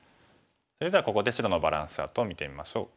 それではここで白のバランスチャートを見てみましょう。